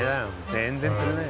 全然釣れないよ。